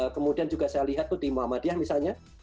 kemudian juga saya lihat tuh di muhammadiyah misalnya